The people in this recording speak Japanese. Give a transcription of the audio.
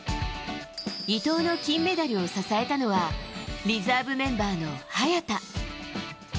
伊藤の金メダルを支えたのはリザーブメンバーの早田。